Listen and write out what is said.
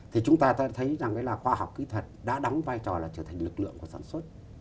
thì chúng ta thấy rằng là khoa học kỹ thuật đã đóng vai trò là trở thành lực lượng của sản xuất